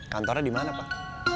kantornya di mana pak